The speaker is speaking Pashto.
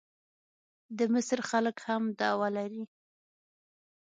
د مصر خلک هم دعوه لري.